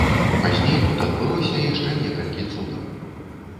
Пазней тут адбылося яшчэ некалькі цудаў.